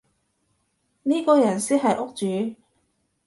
呢個人先係屋主